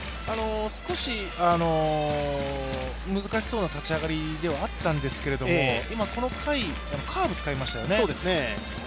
少し難しそうな立ち上がりではあったんですけれども、今この回、カーブ使いましたよね。